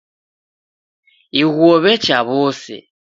Ighuo w'echa w'ose.